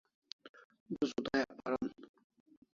Du sudayak paron